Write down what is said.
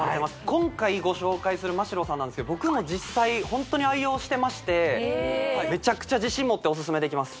今回ご紹介するマ・シロさんなんですけど僕も実際ホントに愛用してましてめちゃくちゃ自信持ってお薦めできます